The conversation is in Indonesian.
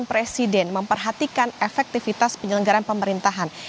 presiden memperhatikan efektivitas penyelenggaran pemerintahan